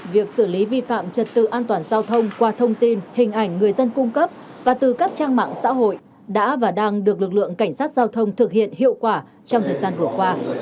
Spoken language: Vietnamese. việc xử lý vi phạm trật tự an toàn giao thông qua thông tin hình ảnh người dân cung cấp và từ các trang mạng xã hội đã và đang được lực lượng cảnh sát giao thông thực hiện hiệu quả trong thời gian vừa qua